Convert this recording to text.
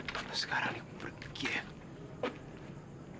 terus sekarang nih bergeg